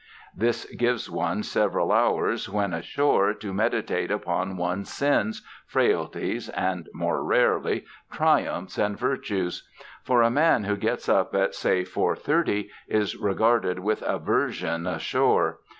This gives one several hours, when ashore, to meditate upon one's sins, frailties, and (more rarely) triumphs and virtues. For a man who gets up at say four thirty is regarded with aversion ashore.